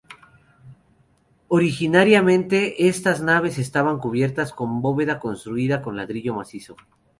Originariamente estas naves estaban cubiertas con bóveda construida con ladrillo macizo.